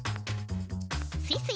スイスイ。